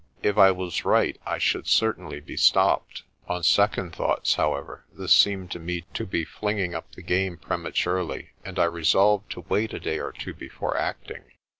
If I was right, I should certainly be stopped. On second thoughts, however, this seemed to me to be flinging up the game prematurely, and I resolved to wait a day or two be fore acting.